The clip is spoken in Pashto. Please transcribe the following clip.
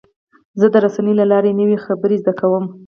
زه د رسنیو له لارې نوې خبرې زده کوم.